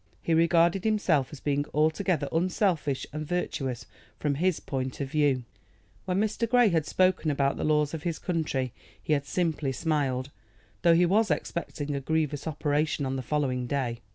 He regarded himself as being altogether unselfish and virtuous from his point of view. When Mr. Grey had spoken about the laws of his country he had simply smiled, though he was expecting a grievous operation on the following day.